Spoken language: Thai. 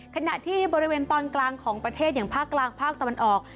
ขณะที่บริเวณตอนกลางของประเทศอย่างภาคกลางภาคตะวันออก